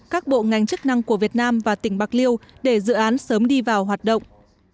các bộ ngành chức năng của việt nam và tỉnh bạc liêu để dự án sớm đi vào hoạt động